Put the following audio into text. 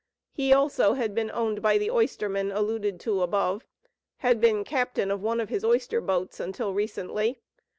He also had been owned by the oysterman alluded to above; had been captain of one of his oyster boats, until recently.